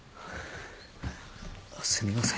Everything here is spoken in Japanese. すみません。